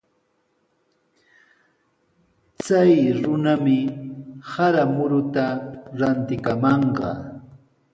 Chay runami sara muruta rantikamanqa.